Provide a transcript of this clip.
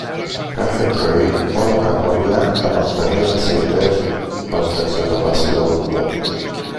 Κάθε πρωί όλα τ' αγόρια θα μαθαίνουν να σαϊτεύουν, πρόσταξε το Βασιλόπουλο.